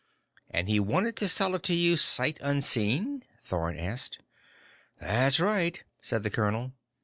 "And he wanted to sell it to you sight unseen?" Thorn asked. "That's right," said the colonel.